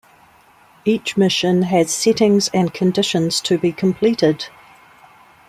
Each mission has settings and conditions to be completed.